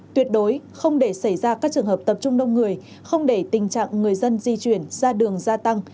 tuyệt đối không để xảy ra các trường hợp tập trung đông người không để tình trạng người dân di chuyển ra đường gia tăng